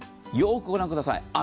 よーく御覧ください。